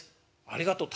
「ありがとう。